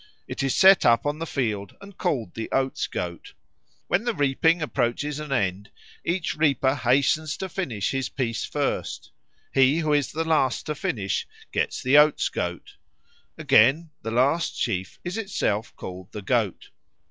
It is set up on the field and called the Oats goat. When the reaping approaches an end, each reaper hastens to finish his piece first; he who is the last to finish gets the Oats goat. Again, the last sheaf is itself called the Goat.